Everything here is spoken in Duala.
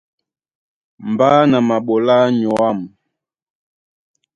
Mbá na maɓolá mɔ́ nyɔ̌ âm.